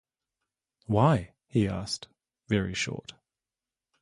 “Why?” he asked, very short.